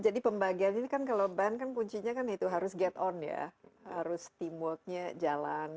jadi pembagian ini kan kalo band kan kuncinya kan itu harus get on ya harus teamworknya jalan